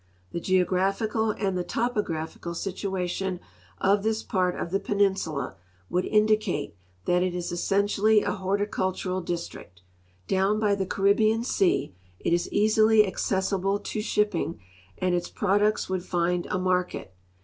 The geo graphical and the topographical situation of this part of the peninsula w<4uld indicate that it is essentially a horticultural district. Down by the Caribbean sea it is easily accessible to shipping, and its products would find a market.